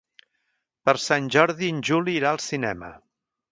Per Sant Jordi en Juli irà al cinema.